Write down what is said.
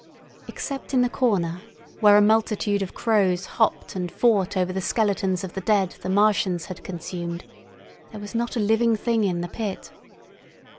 Except in the corner, where a multitude of crows hopped and fought over the skeletons of the dead the Martians had consumed, there was not a living thing in the pit.